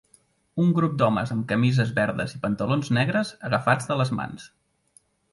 Un grup d'homes amb camises verdes i pantalons negres agafats de les mans.